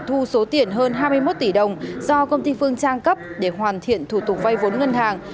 thu số tiền hơn hai mươi một tỷ đồng do công ty phương trang cấp để hoàn thiện thủ tục vay vốn ngân hàng